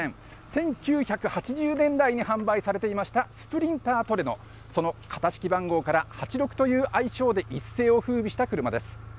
１９８０年代に販売されていました、スプリンタートレノ、その型式番号からハチロクという愛称で一世をふうびした車です。